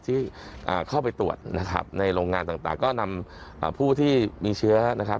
ที่เข้าไปตรวจนะครับในโรงงานต่างก็นำผู้ที่มีเชื้อนะครับ